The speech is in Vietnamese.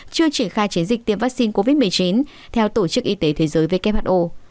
chưa triển khai chiến dịch tiêm vaccine covid một mươi chín theo tổ chức y tế thế giới who